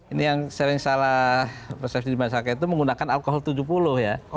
ini yang sering salah persepsi di masyarakat itu menggunakan alkohol tujuh puluh ya